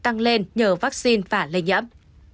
tăng lên nhờ vaccine và lây nhiễm